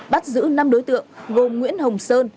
bắt giữ năm đối tượng gồm nguyễn hồng sơn